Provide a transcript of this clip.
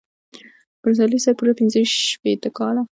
پسرلي صاحب پوره پنځه شپېته کاله.